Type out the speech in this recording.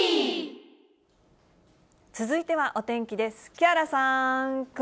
続いてはお天気です。